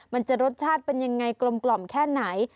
มันจะรสชาติเป็นยังไงกลมแค่ไหน